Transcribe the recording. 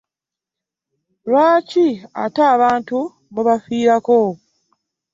Kwaki ate abantu mubafiirako?